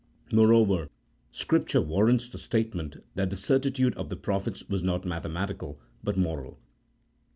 Moreover, Scripture warrants the statement that the certitude of the prophets was not mathematical, but moral.